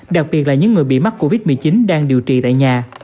đặc biệt là những người bị mắc covid một mươi chín đang điều trị tại nhà